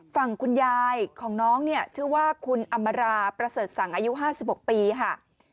ฝั่งคุณยายของน้องเนี่ยชื่อว่าคุณอำมาราประเสริฐสั่งอายุ๕๖ปีค่ะ